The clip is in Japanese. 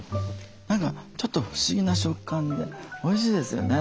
何かちょっと不思議な食感でおいしいですよね。